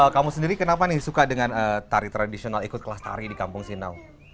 kamu sendiri kenapa nih suka dengan tari tradisional ikut kelas tari di kampung sinaw